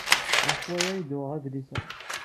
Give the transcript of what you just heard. Ɣef waya ay d-uɣeɣ adlis-a.